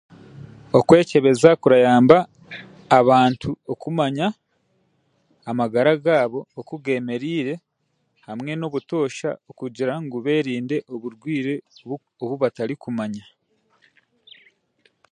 Okwekyebeza kurayamba abaantu okumanya amagara gaabo oku g'emerire hamwe n'obutoosha okugira ngu berinde oburwiire obu batarikumanya.